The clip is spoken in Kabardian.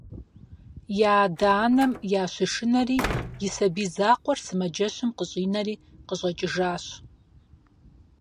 И адэ-анэм ящышынэри и сабий закъуэр сымаджэщым къыщӏинэри къыщӏэкӏыжащ.